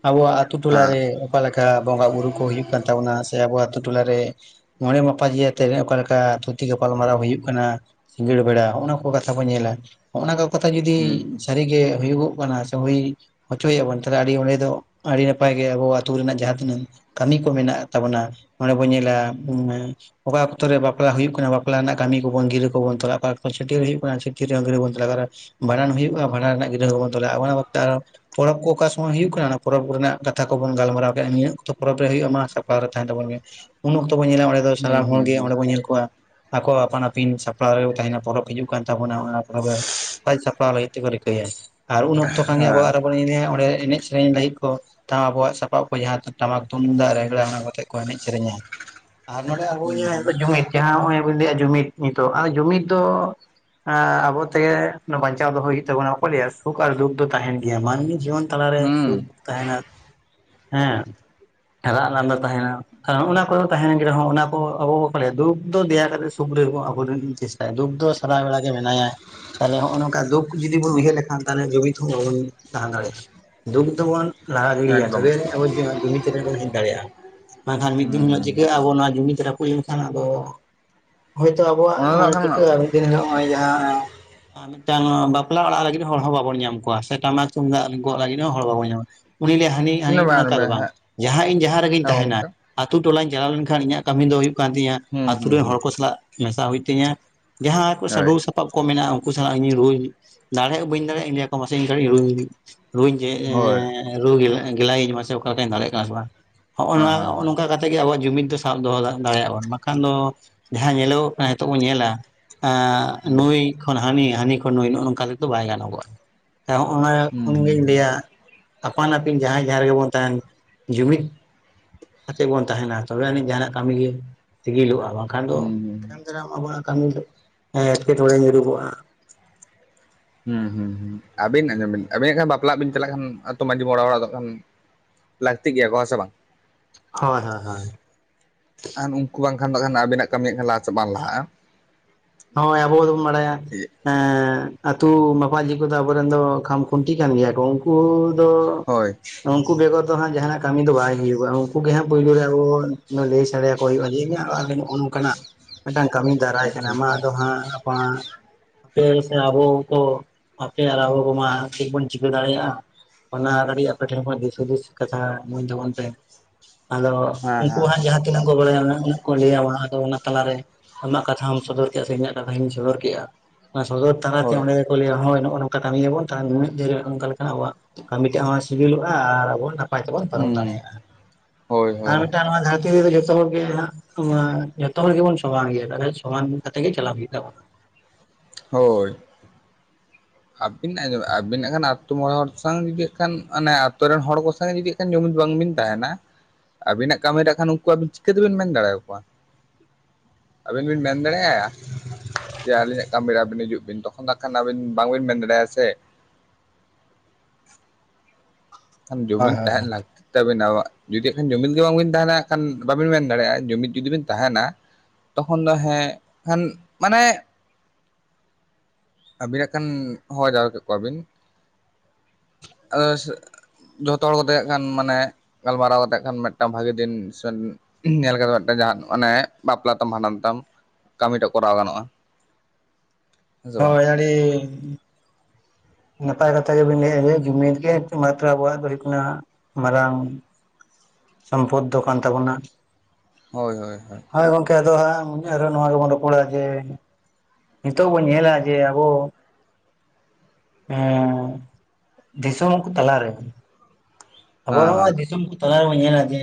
ᱟᱵᱚᱣᱟᱜ ᱟᱛᱩ ᱴᱚᱞᱟ ᱦᱮᱸ ᱨᱮ ᱚᱠᱟ ᱞᱮᱠᱟ ᱵᱚᱸᱜᱟ ᱵᱩᱨᱩ ᱠᱚ ᱦᱩᱭᱩᱜ ᱠᱟᱱ ᱛᱟᱵᱚᱱᱟ ᱥᱮ ᱟᱵᱚ ᱟᱛᱩ ᱴᱚᱞᱟᱨᱮ ᱢᱚᱸᱬᱮ ᱢᱟᱯᱟᱡᱤ ᱠᱟᱛᱮᱜ ᱮ ᱚᱠᱟᱨᱮ ᱠᱟᱨᱟ ᱴᱤ ᱜᱟᱟᱯᱟᱞ ᱢᱟᱨᱟᱣ ᱦᱩᱭᱩᱜ ᱠᱟᱱᱟ ᱥᱤᱸᱜᱟᱹᱲ ᱵᱮᱲᱟ ᱚᱱᱟ ᱠᱚ ᱠᱟᱛᱷᱟ ᱠᱚ ᱧᱮᱞᱟ᱾ ᱦᱚᱜᱚ-ᱱᱟ ᱠᱚ ᱠᱟᱛᱷᱟ ᱡᱩᱫᱤ ᱦᱩᱸ ᱥᱟᱹᱨᱤᱜᱮ ᱦᱩᱭᱩᱜᱚᱜ ᱠᱟᱱᱟ ᱦᱩᱭ ᱦᱚᱪᱚᱭ ᱟᱵᱚᱱ ᱪᱮᱫᱟᱜ ᱟᱹᱰᱤ ᱚᱸᱰᱮ ᱫᱚ ᱟᱹᱰᱤ ᱱᱟᱯᱟᱭ ᱜᱮ ᱟᱵᱚ ᱟᱛᱩ ᱨᱮᱱᱟᱜ ᱡᱟᱦᱟᱸ ᱛᱤᱱᱟᱹᱝ ᱠᱟᱹᱢᱤ ᱠᱚ ᱢᱮᱱᱟᱜ ᱛᱟᱵᱚᱱᱟ ᱱᱚᱰᱮ ᱵᱚ ᱧᱮᱞᱟ ᱚᱠᱟ ᱚᱠᱛᱚ ᱨᱮ ᱵᱟᱯᱞᱟ ᱦᱩᱭᱩᱜ ᱠᱟᱱᱟ ᱵᱟᱯᱞᱟ ᱨᱮᱱᱟᱜ ᱠᱟᱹᱢᱤ ᱠᱚ ᱵᱚᱱ ᱜᱤᱨᱟ. ᱠᱚ ᱵᱚᱱ ᱛᱚᱞᱟ ᱚᱠᱟ ᱚᱠᱟᱨᱮ ᱪᱷᱟᱴᱭᱟ. ᱨ ᱦᱩᱭᱩᱜ ᱠᱟᱱᱟ ᱪᱷᱟᱴᱭᱟ. ᱨ ᱨᱮ ᱚᱱᱛᱮ ᱨᱮᱵᱚᱱ ᱞᱟ ᱵᱷᱟᱸᱰᱟᱱ ᱦᱩᱭᱩᱜ-ᱟ ᱵᱷᱟᱸᱰᱟᱱ ᱨᱮᱱᱟᱜ ᱜᱤᱨᱟ. ᱠᱚᱵᱚᱱ ᱛᱚᱞᱟ ᱚᱱᱟ ᱚᱠᱛᱮ ᱯᱚᱨᱚᱵᱽ ᱠᱚ ᱚᱠᱟ ᱥᱩᱢᱚᱭ ᱦᱩᱭᱩᱜ ᱠᱟᱱᱟ ᱚᱱᱟ ᱯᱚᱨᱚᱵᱽ ᱨᱮᱱᱟᱜ ᱠᱟᱛᱷᱟ ᱠᱚᱵᱚᱱ ᱜᱟᱞᱢᱟᱨᱟᱣ ᱠᱮᱜᱟ ᱱᱤᱭᱟᱹ ᱚᱠᱛᱚ ᱯᱚᱨᱚᱵᱽ ᱨᱮ ᱦᱩᱭᱩᱜ-ᱟ ᱢᱟ ᱥᱟᱯᱲᱟᱣ ᱨᱮ ᱛᱟᱦᱮᱱ ᱛᱟᱵᱚᱱ ᱢᱮ ᱩᱱ ᱚᱠᱛᱚ ᱵᱚ ᱧᱮᱞᱟ ᱚᱸᱰᱮ ᱫᱚ ᱦᱩᱸ ᱥᱟᱱᱟᱢ ᱦᱚᱲ ᱦᱩᱸ ᱜᱮ ᱦᱩᱸ ᱚᱸᱰᱮ ᱵᱚᱱ ᱧᱮᱞ ᱠᱚᱣᱟ ᱟᱠᱚᱣᱟᱜ ᱟᱯᱟᱱ ᱟᱹᱯᱤᱱ ᱥᱟᱯᱲᱟᱣ ᱨᱮ ᱠᱚ ᱛᱟᱦᱮᱱᱟ ᱯᱚᱨᱚᱵᱽ ᱦᱤᱡᱩᱜ ᱠᱟᱱ ᱛᱟᱵᱚᱱᱟ ᱚᱱᱟ ᱯᱚᱨᱚᱵᱽ ᱨᱮ ᱥᱟᱡ ᱥᱟᱯᱲᱟᱣ ᱞᱟᱹᱜᱤᱫ ᱛᱮᱠᱚ ᱨᱤᱠᱟᱹᱭᱟ᱾ ᱟᱨ ᱩᱱ ᱚᱠᱛᱚ ᱠᱷᱟᱱ ᱜᱮ ᱦᱮᱸ ᱟᱵᱚᱣᱟᱜ ᱨᱮᱵᱚᱱ ᱧᱮᱞᱮᱭᱟ ᱚᱸᱰᱮ ᱮᱱᱮᱡ ᱥᱮᱨᱮᱧ ᱞᱟᱹᱜᱤᱜ ᱠᱚ ᱛᱟᱣ ᱟᱵᱚᱣᱟᱜ ᱥᱟᱯᱟᱵ ᱠᱚ ᱡᱟᱦᱟᱸ ᱛᱤ ᱴᱟᱢᱟᱠ ᱛᱩᱢᱫᱟᱜ ᱨᱮᱜᱽᱲᱟ ᱚᱱᱟ ᱠᱚᱛᱮ ᱠᱚ ᱮᱱᱮᱡ ᱥᱮᱨᱮᱧᱟ᱾ ᱟᱨ ᱱᱚᱰᱮ ᱟᱵᱚ ᱵᱚ ᱧᱮᱞᱟ ᱡᱟᱦᱟᱭ ᱦᱩᱸ ᱠᱚ ᱡᱩᱢᱤᱫ ᱡᱟᱦᱟᱸ ᱦᱚᱜᱚᱭ ᱵᱚᱱ ᱞᱟᱹᱭᱟ ᱡᱩᱢᱤᱫ ᱱᱤᱛᱚᱜ ᱟᱨ ᱡᱩᱢᱤᱫ ᱫᱚᱼᱼ ᱟᱵᱚ ᱛᱮᱜᱮ ᱚᱱᱟ ᱵᱟᱧᱪᱟᱣ ᱫᱚᱦᱚᱸ ᱦᱩᱭᱩᱜ ᱛᱟᱵᱱᱟ ᱵᱟᱠᱚ ᱞᱮᱭᱟ ᱥᱩᱠ ᱟᱨ ᱫᱩᱠ ᱫᱚ ᱛᱟᱦᱮᱱ ᱜᱮᱭᱟ ᱢᱟᱹᱱᱢᱤ ᱡᱤᱭᱚᱱ ᱛᱟᱞᱮ ᱨᱮ ᱦᱩᱸ ᱥᱩᱠ ᱛᱟᱦᱮᱱᱟ, ᱦᱮᱸ ᱨᱟᱜ ᱞᱟᱸᱫᱟ ᱛᱟᱦᱮᱱᱟ᱾ ᱠᱟ ᱦᱚᱜᱚᱱᱟ ᱠᱚᱫᱚ ᱛᱟᱦᱮᱱ ᱜᱮ ᱨᱮᱦᱚᱸ ᱚᱱᱟ ᱠᱚ ᱟᱵᱚ ᱵᱟᱝᱠᱚ ᱞᱟᱭᱟ ᱫᱩᱠ ᱫᱚ ᱫᱮᱭᱟ ᱠᱟᱛᱮᱜ ᱥᱩᱠ ᱨᱮ ᱟᱵᱚ ᱨᱮᱱ ᱪᱮᱥᱴᱟᱭᱟ ᱫᱩᱠ ᱫᱚ ᱥᱟᱨᱟ ᱵᱮᱲᱟ ᱜᱮ ᱢᱮᱱᱟᱭᱟ᱾ ᱛᱟᱦᱚᱞᱮ ᱦᱚᱜᱚ ᱱᱚᱝᱠᱟ ᱫᱩᱠ ᱡᱩᱫᱤ ᱵᱚᱱ ᱩᱭᱦᱟᱹᱨ ᱞᱮᱠᱷᱟᱱ ᱛᱟᱦᱞᱮ ᱡᱩᱢᱤᱫ ᱦᱚᱸ ᱵᱟᱵᱚᱱ ᱛᱟᱦᱮᱸ ᱫᱟᱲᱮᱜ-ᱟ᱾ ᱫᱩᱠ ᱫᱚᱵᱚᱱ ᱞᱟᱦᱟ ᱦᱮᱸ ᱜᱤᱲᱤᱭᱟ ᱮᱠᱫᱚᱢ ᱛᱚᱵᱮ ᱟᱹᱱᱤ ᱠᱷᱟ ᱵᱚᱱ [unintelligible] ᱫᱟᱲᱮᱭᱟᱜᱼᱟ ᱵᱟᱝᱠᱷᱟᱱ ᱢᱤᱫ ᱦᱩᱸ ᱫᱤᱱ ᱦᱤᱞᱳᱜ ᱦᱩᱸ ᱪᱤᱠᱟᱹᱜ-ᱟ ᱟᱵᱚ ᱱᱚᱣᱟ ᱡᱩᱢᱤᱫ ᱨᱟᱹᱯᱩᱜ ᱞᱮᱱᱠᱷᱟᱱ ᱟᱫᱚ ᱦᱚᱭᱛᱚ ᱚᱱᱟ ᱫᱚ ᱦᱟᱸᱜ ᱟᱵᱚᱣᱟᱜ ᱠᱷᱟᱱ ᱪᱤᱠᱟᱹᱜ-ᱟ ᱢᱤᱫ ᱫᱤᱱ ᱦᱤᱞᱳᱜ ᱦᱚᱜᱚᱭ ᱡᱟᱦᱟᱸ ᱢᱤᱫᱴᱟᱝ ᱵᱟᱯᱞᱟ ᱚᱲᱟᱜ ᱞᱟᱹᱜᱤᱫ ᱦᱚᱲ ᱦᱚᱸ ᱵᱟᱵᱚᱱ ᱧᱟᱢ ᱠᱚᱣᱟ ᱥᱮ ᱴᱟᱢᱟᱠ ᱛᱩᱢᱫᱟᱜ ᱜᱚᱜ ᱞᱟᱹᱜᱤᱜ ᱦᱚᱸ ᱦᱚᱲ ᱵᱟᱵᱚᱱ ᱧᱟᱢ ᱩᱱᱤᱭ ᱞᱟᱹᱭᱟ ᱦᱟᱹᱱᱤ ᱦᱟᱹᱱᱤ ᱚᱱᱮ ᱚᱱᱠᱟ ᱫᱚ ᱨᱮᱵᱮᱱ ᱵᱟᱝ ᱦᱟᱸᱜ ᱡᱟᱦᱟᱸ ᱤᱧ ᱡᱟᱦᱟᱸ ᱨᱮᱜᱮᱧ ᱦᱮᱸ ᱛᱟᱦᱮᱱᱟ᱾ ᱜᱚᱝᱠᱮ ᱟᱛᱳ ᱴᱚᱞᱟᱧ ᱪᱟᱞᱟᱣ ᱞᱮᱱᱠᱷᱟᱱ ᱤᱧᱟᱹᱜ ᱠᱟᱹᱢᱤ ᱫᱚ ᱦᱩᱭᱩᱜ ᱠᱟᱱ ᱛᱤᱧᱟᱹ ᱦᱩᱸ ᱟᱛᱳ ᱦᱩᱸ ᱨᱮᱱ ᱦᱩᱸ ᱦᱚᱲ ᱠᱚ ᱥᱟᱞᱟᱜ ᱢᱮᱥᱟᱜ ᱦᱩᱭᱩᱜ ᱛᱤᱧᱟᱹ ᱡᱟᱦᱟᱸ ᱟᱨᱠᱚ ᱦᱳᱭ ᱥᱟᱵᱩ ᱥᱟ ᱥᱟᱯᱟᱯ ᱠᱚ ᱢᱮᱱᱟᱜ-ᱟ ᱩᱱᱠᱩ ᱥᱟᱞᱟᱜ ᱤᱧ ᱨᱩᱣᱟ ᱫᱟᱲᱮᱭᱟᱜ ᱵᱟᱹᱧ ᱫᱟᱲᱮᱭᱟᱜ ᱞᱟᱹᱭᱟᱠᱚ ᱢᱟᱥᱮ ᱤᱧ ᱠᱟᱹᱴᱤᱡ ᱨᱩᱭ ᱨᱩᱭ ᱜᱮ ᱦᱳᱭ ᱦᱮᱸ ᱨᱩ ᱜᱮᱞᱟ ᱜᱮᱞᱟᱭᱤᱧ ᱢᱟᱥᱮ ᱚᱠᱟ ᱞᱮᱠᱟᱧ ᱫᱟᱲᱮᱜ ᱠᱟᱱᱟ ᱥᱮ ᱵᱟᱝ ᱦᱚᱜ ᱱᱚᱣᱟ ᱱᱚᱝᱠᱟ ᱠᱟᱛ ᱛᱮᱜᱮ ᱟᱵᱚᱣᱟᱜ ᱡᱩᱢᱤᱫ ᱫᱚ ᱥᱟᱵ ᱫᱚᱦᱚ ᱫᱟᱲᱮᱭᱟᱜ ᱵᱚᱱ ᱵᱟᱠᱷᱟᱱ ᱫᱚ ᱡᱟᱦᱟᱸ ᱧᱮᱞᱚᱜ ᱟ ᱱᱤᱛᱚᱜ ᱵᱚᱱ ᱧᱮᱞᱟ ᱮᱸ ᱱᱩᱭ ᱠᱷᱚᱱ ᱦᱟᱹᱱᱤ ᱦᱟᱹᱱᱤ ᱠᱷᱚᱱ ᱱᱩᱭ ᱱᱚᱜᱚ ᱱᱚᱝᱠᱟ ᱛᱮᱫᱚ ᱵᱟᱭ ᱜᱟᱱᱚᱜ-ᱟ ᱡᱟ ᱦᱚᱜᱚᱱᱟᱭ ᱦᱮᱸ ᱠᱷᱚᱱ ᱜᱤᱧ ᱦᱮᱸ ᱞᱟᱹᱭᱟ ᱟᱯᱟᱱ ᱟᱹᱯᱤᱱ ᱡᱟᱦᱟᱸᱭ ᱡᱟᱦᱟᱸ ᱨᱮᱜᱮ ᱵᱚᱱ ᱛᱟᱦᱮᱱ ᱡᱩᱢᱤᱫ [unintelligible] ᱵᱚᱱ ᱛᱟᱦᱮᱱᱟ ᱛᱚᱵᱮ ᱟᱹᱱᱤᱡ ᱡᱟᱦᱟᱱᱟᱜ ᱠᱟᱹᱢᱤ ᱜᱮ ᱥᱤᱜᱤᱞᱚᱜᱼᱟ ᱵᱟᱝᱠᱷᱟᱱ ᱫᱚ ᱦᱩᱸ ᱦᱩᱸ ᱦᱩᱸ ᱥᱩᱛᱚᱨᱟᱝ ᱟᱵᱚᱣᱟᱜ ᱠᱟᱹᱢᱤ ᱫᱚ ᱦᱮᱸ ᱮᱴᱠᱮᱴᱚᱬᱮ ᱧᱩᱨᱩᱜᱚᱜᱼᱟ ᱦᱩᱸ ᱦᱩᱸ ᱦᱩᱸ ᱟᱹᱵᱤᱱ ᱟᱸᱡᱚᱢ ᱵᱤᱱ ᱟᱵᱤᱱ ᱦᱟᱜ ᱠᱷᱟᱱ ᱵᱟᱯᱞᱟᱜ ᱵᱤᱱ ᱪᱟᱞᱟᱜ ᱠᱷᱟᱱ ᱛᱚ ᱢᱟᱺᱡᱷᱤ ᱵᱟᱵᱟ ᱟᱜ ᱚᱲᱟᱜ ᱫᱚ ᱠᱷᱟᱱ ᱞᱟᱹᱠᱛᱤ ᱜᱮᱭᱟ ᱠᱚ ᱦᱮᱸ ᱥᱮ ᱵᱟᱝ ᱦᱳᱭ ᱦᱳᱭ ᱦᱳᱭ ᱟᱨ ᱩᱱᱠᱩ ᱵᱟᱝᱠᱷᱟᱱ ᱫᱚ ᱦᱟᱜ ᱟᱵᱤᱱᱟᱜ ᱠᱟᱹᱢᱤ ᱞᱟᱦᱟᱥᱮᱫ ᱵᱟᱝ ᱞᱟᱦᱟᱜᱼᱟ ᱦᱳᱭ ᱟᱵᱚ ᱫᱚᱵᱚᱱ ᱵᱟᱲᱟᱭᱟ ᱮᱸᱫ ᱟᱛᱳ ᱢᱟᱯᱟᱡᱤ ᱠᱚᱫᱚ ᱟᱵᱚᱨᱮᱱ ᱫᱚ ᱠᱷᱟᱢ ᱠᱷᱩᱱᱴᱤ ᱠᱟᱱ ᱜᱮᱭᱟ ᱠᱚ ᱩᱱᱠᱩ ᱫᱚ ᱦᱳᱭ ᱩᱱᱠᱩ ᱵᱮᱜᱚᱨ ᱫᱚ ᱦᱟᱸᱜ ᱡᱟᱦᱟᱱᱟᱜᱼᱼ ᱠᱟᱹᱢᱤ ᱫᱚ ᱵᱟᱭ ᱦᱩᱭᱩᱜᱼᱟ ᱩᱱᱠᱩ ᱜᱮ ᱦᱟᱸᱜ ᱯᱳᱭᱞᱳ ᱨᱮ ᱟᱵᱚ ᱞᱟᱹᱭ ᱥᱟᱰᱮᱭᱟᱠᱚ ᱦᱩᱭᱩᱜᱼᱟ ᱡᱮ ᱟᱞᱮ ᱱᱚᱜᱼᱚᱭ ᱱᱚᱝ ᱠᱟᱱᱟᱜ ᱢᱤᱫᱴᱟᱝ ᱠᱟᱹᱢᱤ ᱫᱟᱨᱟᱭ ᱟᱪᱪᱷᱟ ᱠᱟᱱᱟ ᱢᱟ ᱟᱪᱪᱷᱟ ᱟᱫᱚ ᱦᱟᱸᱜ ᱟᱯᱟ ᱟᱯᱮ ᱥᱮ ᱟᱵᱚ ᱠᱚ ᱟᱯᱮ ᱟᱨ ᱟᱵᱚ ᱠᱚᱢᱟ ᱪᱮᱫ ᱵᱚᱱ ᱪᱤᱠᱟᱹ ᱫᱟᱲᱮᱭᱟᱜᱼᱟ ᱚᱱᱟ ᱠᱟᱹᱴᱤᱡ ᱟᱯᱮᱴᱷᱮᱱ ᱠᱷᱚᱱ ᱫᱤᱥ ᱦᱩᱫᱤᱥ ᱠᱟᱛᱷᱟ ᱮᱢᱟᱹᱧ ᱛᱟᱵᱚᱱ ᱯᱮ ᱟᱫᱚ ᱦᱮᱸ ᱩᱱᱠᱩ ᱦᱮᱸ ᱦᱮᱸ ᱦᱟᱸᱜ ᱡᱟᱦᱟᱸ ᱛᱤᱱᱟᱹᱜ ᱠᱚ ᱵᱟᱲᱟᱭᱟ ᱩᱱᱟᱹᱜ ᱠᱚ ᱞᱟᱹᱭᱟ ᱵᱚᱱᱟ ᱟᱫᱚ ᱚᱱᱟ ᱛᱟᱞᱟᱨᱮ ᱟᱢᱟᱜ ᱠᱟᱛᱷᱟᱢ ᱥᱚᱫᱚᱨᱼᱼ ᱪᱮᱫᱟᱜ ᱥᱮ ᱤᱧᱟᱹᱜ ᱠᱟᱛᱷᱟᱧ ᱥᱚᱫᱚᱨ ᱠᱮᱫᱼᱟ ᱚᱱᱟ ᱥᱚᱫᱚᱨ ᱛᱟᱞᱟᱛᱮ ᱦᱳᱭ ᱚᱸᱰᱮᱼᱼ ᱠᱚ ᱞᱟᱹᱭᱟ ᱦᱳᱭ ᱱᱚᱜᱼᱚ ᱱᱚᱝᱠᱟ ᱠᱟᱹᱢᱤᱭᱟ ᱵᱚᱱ ᱛᱟᱦᱞᱮ ᱱᱤᱱᱟᱹᱜ ᱫᱤᱱ ᱨᱮ ᱱᱚᱝᱠᱟ ᱞᱮᱠᱟᱱᱟᱜ ᱟᱵᱚᱣᱟᱜ ᱠᱟᱹᱢᱤ ᱴᱟᱜ ᱦᱚᱸ ᱥᱤᱜᱤᱞᱚᱜᱼᱟ ᱟᱨ ᱟᱵᱚ ᱱᱟᱯᱟᱭ ᱛᱮᱵᱚᱱ ᱯᱟᱨᱚᱢ ᱦᱩᱸ ᱫᱟᱲᱮᱭᱟᱜᱼᱟ ᱦᱳᱭ ᱟᱨ ᱦᱳᱭ ᱢᱤᱫᱴᱟᱝ ᱱᱚᱣᱟ ᱫᱷᱟᱹᱨᱛᱤ ᱨᱮᱼᱼ ᱡᱚᱛᱚ ᱦᱚᱲ ᱜᱮ ᱦᱟᱹᱜ ᱡᱚᱛᱚ ᱦᱚᱲ ᱜᱮᱵᱚᱱ ᱥᱚᱢᱟᱱ ᱜᱮᱭᱟ ᱛᱟᱦᱚᱞᱮ ᱥᱚᱢᱟᱱ ᱠᱟᱛᱮ ᱜᱮ ᱪᱟᱞᱟᱜ ᱦᱩᱭᱩᱜ ᱛᱟᱵᱚᱱᱟ ᱦᱳᱭ ᱟᱹᱵᱤᱱ ᱟᱸᱡᱚᱢ ᱵᱤᱱ ᱟᱹᱵᱤᱱᱟᱜ ᱦᱟᱜ ᱠᱷᱱ ᱟᱛᱳ ᱢᱚᱬᱮ ᱦᱚᱲ ᱥᱟᱝ ᱡᱩᱫᱤ ᱦᱟᱜᱠᱷᱟᱱ ᱟᱱᱮ ᱟᱛᱩ ᱨᱮᱱ ᱦᱚᱲ ᱠᱚ ᱥᱟᱜᱮ ᱡᱩᱫᱤ ᱮᱠᱮᱱ ᱡᱩᱢᱤᱫ ᱵᱟᱝᱵᱤᱱ ᱛᱟᱦᱮᱱᱟ ᱟᱹᱵᱤᱱᱟᱜ ᱠᱟᱹᱢᱤ ᱨᱮ ᱠᱷᱟᱱ ᱩᱱᱠᱩ ᱟᱵᱤᱱ ᱪᱤᱠᱟᱹᱛᱮ ᱵᱮᱱ ᱢᱮᱱ ᱫᱟᱲᱮ ᱟᱠᱚᱣᱟ ᱟᱵᱤᱱ ᱵᱤᱱ ᱢᱮᱱ ᱫᱟᱲᱮᱭᱟᱜᱼᱟ ᱡᱮ ᱟᱹᱞᱤᱧᱟᱜ ᱠᱟᱹᱢᱤ ᱨᱮ ᱟᱹᱵᱤᱱ ᱦᱤᱡᱩᱜ ᱵᱤᱱ ᱛᱚᱠᱷᱚᱱ ᱫᱚ ᱦᱟᱜ ᱠᱷᱟᱱ ᱟᱵᱤᱱ ᱵᱟᱝᱵᱤᱱ ᱢᱮᱱ ᱫᱟᱲᱮᱭᱟᱜᱼᱟ ᱥᱮ ᱮᱠᱷᱟᱱ ᱡᱩᱢᱤᱫ ᱛᱟᱦᱮᱱ ᱞᱟᱹᱠᱛᱤ ᱛᱟᱵᱤᱱᱟ ᱡᱩᱫᱤ ᱦᱟᱜ ᱠᱷᱟᱱ ᱡᱩᱢᱤᱫ ᱜᱮ ᱵᱟᱝᱵᱤᱱ ᱛᱟᱦᱮ ᱦᱟᱜ ᱠᱷᱟᱱ ᱵᱟᱹᱵᱤᱱ ᱢᱮᱱ ᱫᱟᱲᱮᱭᱟᱜᱼᱟ ᱡᱩᱢᱤᱫ ᱡᱩᱫᱤ ᱵᱤᱱ ᱛᱟᱦᱮᱱᱟ ᱛᱚᱠᱷᱚᱱ ᱫᱚ ᱦᱮᱸ ᱠᱷᱟᱱ ᱢᱟᱱᱮᱼᱼ ᱟᱹᱵᱤᱱᱟᱜ ᱠᱷᱟᱱ ᱦᱚᱦᱚ ᱡᱟᱣᱨᱟ ᱠᱮᱫ ᱠᱚᱣᱟ ᱵᱤᱱ ᱟᱫᱚ ᱡᱚᱛᱚ ᱦᱚᱲ ᱠᱟᱛᱮᱜ ᱠᱷᱟᱱ ᱢᱟᱱᱮ ᱜᱟᱞᱢᱟᱨᱟᱣ ᱠᱟᱛᱮᱜ ᱠᱷᱟᱱ ᱢᱤᱫᱴᱟᱝ ᱵᱷᱟᱹᱜᱤ ᱫᱤᱱ ᱥᱮᱼᱼ ᱤᱧ ᱧᱮᱞ ᱠᱟᱫᱟ ᱢᱤᱫᱴᱮᱱ ᱡᱟᱦᱟ ᱢᱟᱱᱮ ᱵᱟᱯᱞᱟ ᱛᱟᱢ ᱵᱷᱟᱸᱰᱟᱱ ᱛᱟᱢ ᱠᱟᱹᱢᱤᱴᱟᱜ ᱠᱚᱨᱟᱣ ᱜᱟᱱᱚᱜᱼᱟ [inaudible] ᱥᱮ ᱵᱟᱝ ᱦᱳᱭ ᱟ. ᱰᱤ ᱱᱟᱯᱟᱭ ᱠᱟᱛᱷᱟ ᱜᱮᱵᱮᱱ ᱞᱟᱹᱭ ᱮᱫᱼᱟ ᱡᱮ ᱡᱩᱢᱤᱫ ᱜᱮ ᱮᱠ ᱢᱟᱛᱨᱚ ᱟᱵᱚᱣᱟᱜ ᱫᱚ ᱦᱩᱭᱩᱜ ᱠᱟᱱᱟ ᱢᱟᱨᱟᱝᱼᱼ ᱥᱚᱢᱯᱚᱫ ᱫᱚ ᱠᱟᱱ ᱛᱟᱵᱚᱱᱟ ᱦᱳᱭ ᱦᱳᱭ ᱦᱳᱭ ᱦᱳᱭ ᱜᱚᱢᱠᱮ ᱟᱫᱚ ᱦᱟᱸᱜ ᱟᱨᱦᱚᱸ ᱱᱚᱣᱟ ᱜᱮᱵᱚᱱ ᱨᱚᱯᱚᱲᱟ ᱡᱮ ᱱᱤᱛᱚᱜ ᱵᱚᱱ ᱧᱮᱞᱟ ᱡᱮ ᱟᱵᱚ ᱮ ᱫᱤᱥᱚᱢ ᱠᱚ ᱛᱟᱞᱟᱨᱮ ᱟᱵᱚ ᱱᱚᱜᱼᱚᱭ ᱦᱮᱸ ᱫᱤᱥᱚᱢᱼᱼ ᱛᱟᱞᱟ ᱨᱮᱵᱚᱱ ᱧᱮᱞᱟ ᱡᱮ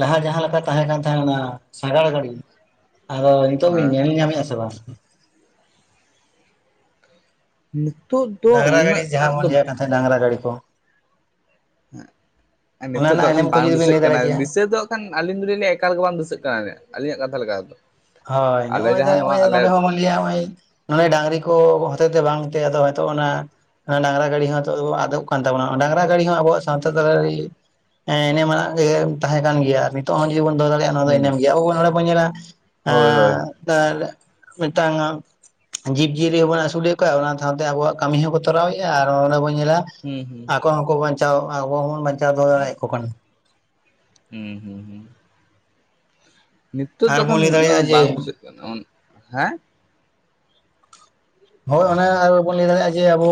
ᱞᱟᱦᱟ ᱡᱟᱦᱟᱸ ᱞᱮᱠᱟ ᱛᱟᱦᱮᱸ ᱠᱟᱱ ᱛᱟᱦᱮᱸ ᱚᱱᱟ ᱥᱟᱜᱟᱲ ᱜᱟᱹᱲᱤ ᱟᱫᱚ ᱱᱤᱛᱚᱜ ᱵᱤᱱ ᱦᱮᱸ ᱧᱮᱞ ᱧᱟᱢᱮᱫᱼᱟ ᱥᱮ ᱵᱟᱝ ᱱᱤᱛᱚᱜ ᱫᱚ ᱰᱟᱝᱨᱟ ᱜᱟᱹᱰᱤ ᱩᱱᱟᱹᱜ ᱴᱟᱜ ᱡᱟᱦᱟᱸ ᱫᱚ ᱵᱚᱱ ᱞᱟᱹᱭᱟᱜ ᱠᱟᱱ ᱛᱟᱦᱮᱸᱫ ᱰᱟᱝᱨᱟ ᱜᱟᱹᱰᱤ ᱠᱚ ᱦᱟᱜ ᱚᱱᱟ ᱱᱤᱛᱚᱜ ᱫᱚ ᱨᱮᱱᱟᱜ ᱠᱷᱟᱱ ᱮᱱᱮᱢ ᱠᱚ ᱵᱟᱝ ᱡᱩᱫᱤ ᱵᱤᱱ ᱫᱤᱥᱟᱹᱜ ᱞᱟᱹᱭ ᱫᱟᱲᱮ ᱠᱟᱱᱟ ᱠᱮᱭᱟ ᱫᱤᱥᱟᱹ ᱫᱚ ᱠᱷᱟᱱ ᱟᱹᱞᱤᱧ ᱫᱩᱞᱤᱧ ᱞᱮᱭᱟ ᱮᱠᱟᱞ ᱜᱮ ᱵᱟᱝ ᱫᱤᱥᱟᱹᱜ ᱠᱟᱱᱟ ᱟᱹᱞᱤᱧᱟᱜ ᱠᱟᱛᱷᱟ ᱞᱮᱠᱟ ᱛᱮᱫᱚ ᱦᱳᱭ ᱟᱞᱮ ᱱᱚᱜᱼᱚᱭ ᱡᱟᱦᱟᱸ ᱱᱚᱣᱟ ᱦᱚᱸᱜᱼᱚᱭ ᱟᱞᱮ ᱱᱚᱰᱮ ᱦᱚᱸ ᱦᱚᱸᱜ-ᱚᱭ ᱱᱚᱰᱮ ᱰᱟᱝᱨᱤ ᱠᱚ ᱦᱚᱛᱮᱛᱮ ᱵᱟᱝᱛᱮ ᱟᱫᱚ ᱦᱚᱭᱛᱳ ᱚᱱᱟ ᱰᱟᱝᱨᱟ ᱜᱟᱹᱲᱤ ᱦᱚᱸ ᱦᱤᱛᱚᱜ ᱫᱚ ᱟᱫᱚᱜ ᱠᱟᱱ ᱛᱟᱵᱚᱱᱟ, ᱰᱟᱝᱨᱟ ᱜᱟᱹᱲᱤ ᱦᱚᱸ ᱟᱵᱚᱣᱟᱜ ᱥᱟᱶᱛᱟ ᱛᱟᱞᱟᱨᱮ ᱦᱮᱸ ᱮᱱᱮᱢᱟᱱᱟᱜ ᱜᱮ ᱛᱟᱸᱦᱮ ᱠᱟᱱ ᱜᱮᱭᱟ ᱟᱨ ᱱᱤᱛᱚᱜ ᱦᱚᱸ ᱡᱩᱫᱤ ᱵᱚᱱ ᱫᱚᱦᱚ ᱫᱟᱲᱮᱭᱟᱜ ᱱᱚᱣᱟᱫᱚ ᱦᱩᱸ ᱮᱱᱮᱢ ᱜᱮᱭᱟ ᱟᱵᱚ ᱵᱚᱱ ᱱᱚᱰᱮ ᱵᱚᱱ ᱧᱮᱞᱟ ᱮ ᱦᱳᱭ ᱦᱳᱭ ᱢᱤᱫᱴᱟᱝ ᱡᱤᱵᱽ ᱡᱤᱭᱟᱹᱞᱤ ᱦᱚᱸᱵᱚᱱ ᱟᱹᱥᱩᱞᱮᱫ ᱠᱚᱣᱟ ᱚᱱᱟ ᱥᱟᱶᱛᱮ ᱟᱵᱚᱣᱟᱜ ᱠᱟᱹᱢᱤ ᱦᱚᱸᱠᱚ ᱛᱚᱨᱟᱣᱮᱫᱼᱟ ᱟᱨ ᱚᱸᱰᱮ ᱵᱚᱱ ᱧᱮᱞᱟ ᱦᱩᱸ ᱦᱩᱸ᱾ ᱟᱠᱚ ᱦᱚᱸᱠᱚ ᱵᱟᱧᱪᱟᱣ ᱟᱵᱚ ᱦᱚᱵᱚᱱ ᱵᱟᱧᱪᱟᱣ ᱫᱚᱦᱚ ᱫᱟᱲᱮᱭᱟᱠᱚ ᱠᱟᱱ᱾ ᱦᱩᱸ ᱦᱩᱸ ᱦᱩᱸ᱾ ᱱᱤᱛᱳᱜ ᱫᱚ ᱟᱨ ᱵᱚᱱ ᱮᱠᱷᱟᱱ ᱞᱟᱹᱭ ᱩᱱᱟᱹᱜ ᱫᱚ ᱫᱟᱲᱮᱭᱟᱜᱼᱟ ᱡᱮ ᱵᱟᱝ ᱵᱩᱥᱟᱹᱜ ᱠᱟᱱᱟ, ᱦᱮᱸ ᱦᱳᱭ ᱚᱱᱮ ᱟᱨ ᱟᱵᱚᱵᱚᱱ ᱞᱟᱹᱭ ᱫᱟᱲᱮᱭᱟᱜᱼᱟ ᱡᱮ ᱟᱵᱚ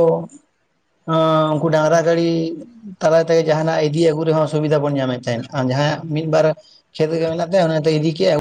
ᱟ ᱩᱱᱠᱩ ᱰᱟᱝᱨᱟ ᱜᱟᱹᱲᱤ ᱫᱟᱨᱟᱭ ᱛᱮᱜᱮ ᱡᱟᱦᱟᱱᱟᱜ ᱤᱫᱤ ᱟᱹᱜᱩ ᱨᱮᱸᱦᱚ ᱥᱩᱵᱤᱫᱷᱟ ᱵᱚᱱ ᱧᱟᱢᱮᱫ ᱛᱟᱦᱮᱸᱫ ᱟᱨ ᱡᱟᱦᱟᱸᱭᱟᱜ ᱢᱤᱫ ᱵᱟᱨ ᱠᱷᱮᱛ ᱨᱮᱜᱮ ᱢᱮᱱᱟᱜ ᱛᱟᱭᱟ ᱚᱱᱟᱛᱮ ᱤᱫᱤ ᱠᱮᱜ-ᱟᱭ᱾